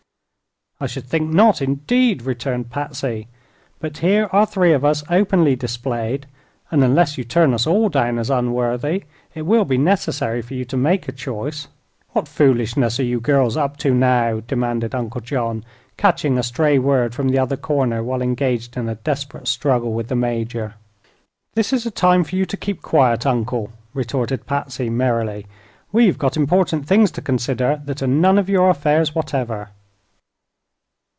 "I should think not, indeed," returned Patsy. "But here are three of us openly displayed, and unless you turn us all down as unworthy, it will be necessary for you to make a choice." "What foolishness are you girls up to now?" demanded Uncle John, catching a stray word from the other corner while engaged in a desperate struggle with the Major. "This is a time for you to keep quiet, Uncle," retorted Patsy, merrily. "We've got important things to consider that are none of your affairs, whatever."